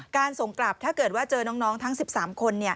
การส่งกลับถ้าเจอน้องทั้ง๑๓คน